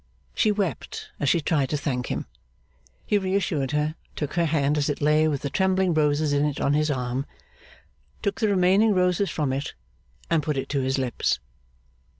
She wept, as she tried to thank him. He reassured her, took her hand as it lay with the trembling roses in it on his arm, took the remaining roses from it, and put it to his lips.